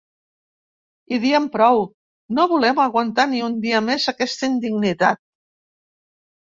I diem prou, no volem aguantar ni un dia més aquesta indignitat.